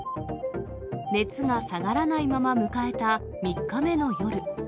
熱が下がらないまま迎えた３日目の夜。